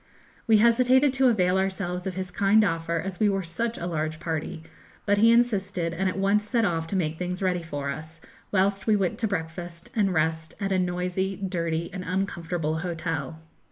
We hesitated to avail ourselves of his kind offer, as we were such a large party; but he insisted, and at once set off to make things ready for us, whilst we went to breakfast and rest at a noisy, dirty, and uncomfortable hotel.